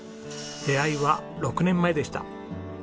出会いは６年前でした。